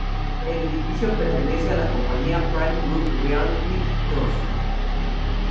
El edificio pertenece a la compañía Prime Group Realty Trust.